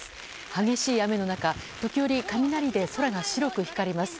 激しい雨の中、時折雷で空が白く光ります。